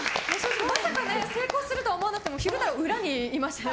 まさか成功するとは思わなくて昼太郎、裏にいましたよ。